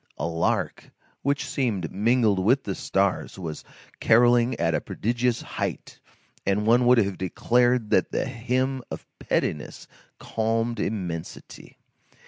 A lark, which seemed mingled with the stars, was carolling at a prodigious height, and one would have declared that that hymn of pettiness calmed immensity.